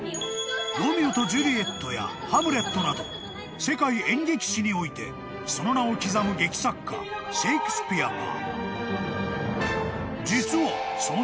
［『ロミオとジュリエット』や『ハムレット』など世界演劇史においてその名を刻む劇作家］シェイクスピア。